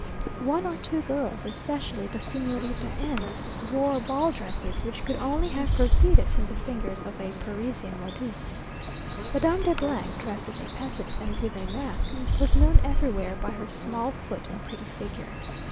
One or two girls, especially the Señorita M , wore ball dresses which could only have proceeded from the fingers of a Parisian modiste. Madame de , dressed as a peasant, and with a mask, was known everywhere by her small foot and pretty figure.